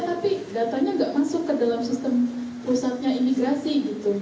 tapi datanya nggak masuk ke dalam sistem pusatnya imigrasi gitu